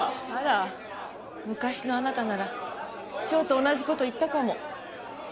あら昔のあなたなら翔と同じ事言ったかも。